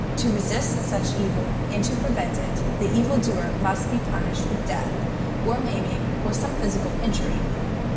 To resist such evil, and to prevent it, the evil doer must be punished with death, or maiming, or some physical injury.